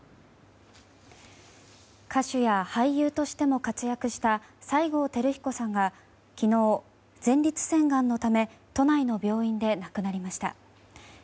歌手や俳優としても活躍した西郷輝彦さんが昨日、前立腺がんのため都内の病院で亡くなりました。